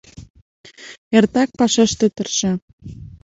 Эртак пашаште тырша